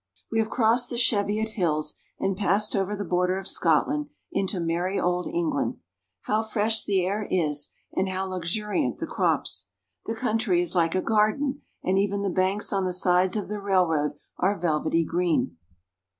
WE have crossed the Cheviot Hills and passed over the border of Scotland into merrie old England. How fresh the air is and how luxuriant the crops ! The country is like a garden, and even the banks on the sides of the railroad are velvety green.